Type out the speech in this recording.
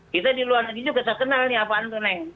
kita di luar negeri juga tak kenal nih apaan tuh neng